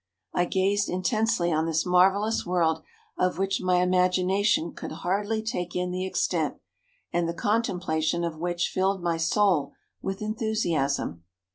I gazed intensely on this marvellous world of which my imagination could hardly take in the extent, and the contemplation of which filled my soul with enthusiasm.